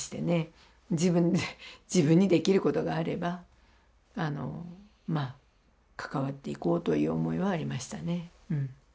自分にできることがあればまあ関わっていこうという思いはありましたねうん。